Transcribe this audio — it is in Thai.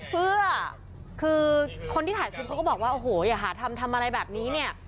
เพื่อคือคนที่ถ่ายคลิปเขาก็บอกว่าโอ้โหอย่าหาทำทำอะไรแบบนี้เนี่ย